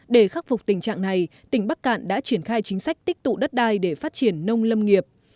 để khắc phục tình trạng này tỉnh bắc cạn đã triển khai chính sách tích tụ đất đai để phát triển nông lâm nghiệp